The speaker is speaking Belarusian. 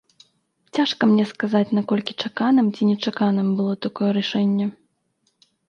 Цяжка мне сказаць, наколькі чаканым ці нечаканым было такое рашэнне.